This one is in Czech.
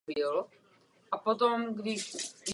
A tak se stalo, že mnozí poslanci zde jsou ženy.